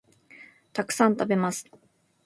たくさん、食べます